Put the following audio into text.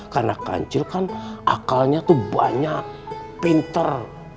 karena kancil kan akalnya banyak pinter